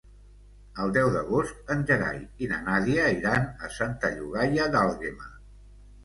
El deu d'agost en Gerai i na Nàdia iran a Santa Llogaia d'Àlguema.